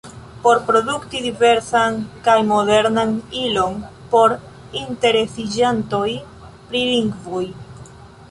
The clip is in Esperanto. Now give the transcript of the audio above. Por produkti diversan kaj modernan ilon por interesiĝantoj pri lingvoj.